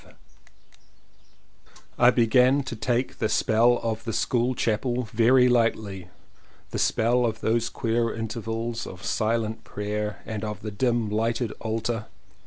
187 CONFESSIONS OF TWO BROTHERS I began to take the spell of the school chapel very lightly — the spell of those queer intervals of silent prayer and of the dim lighted altar.